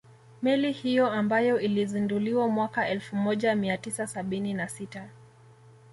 Meli hiyo ambayo ilizinduliwa mwaka elfu moja mia tisa sabini na sita